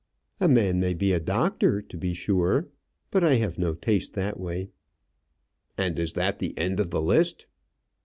"A man may be a doctor, to be sure; but I have no taste that way." "And is that the end of the list?"